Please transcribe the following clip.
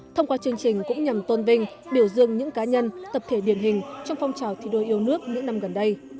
thông qua chương trình cũng nhằm tôn vinh biểu dương những cá nhân tập thể điển hình trong phong trào thi đua yêu nước những năm gần đây